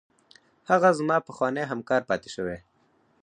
هغه زما پخوانی همکار پاتې شوی.